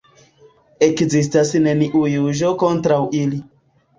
Ekzistas neniu juĝo kontraŭ ili.